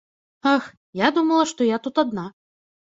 Ах, я думала, што я тут адна.